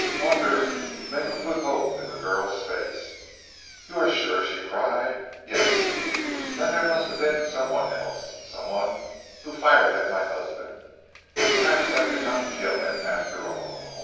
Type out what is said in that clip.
Wonder mingled with the hope in the girl's face. "You are sure," she cried. "Yes! Then there must have been some one else, some one who fired at my husband, and perhaps I did not kill him after all.